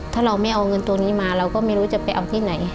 ถ้าเราไม่เอาเงินตัวนี้มาเราก็ไม่รู้จะไปเอาที่ไหน